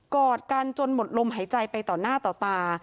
อดกันจนหมดลมหายใจไปต่อหน้าต่อตา